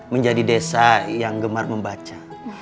menjadi desa yang gemar membaca